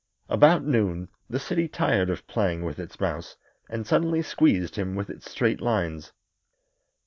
About noon the city tired of playing with its mouse and suddenly squeezed him with its straight lines.